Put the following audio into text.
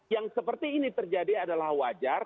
yang seperti ini terjadi adalah wajar